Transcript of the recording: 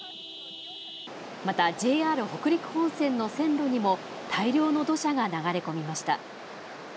また、ＪＲ北陸本線の線路にも、大量の土砂が流れ込みました。